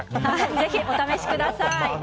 ぜひお試しください。